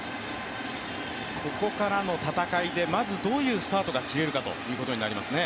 ここからの戦いでまずどういうスタートが切れるかということになりますね。